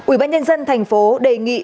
ủy ban nhân dân thành phố đề nghị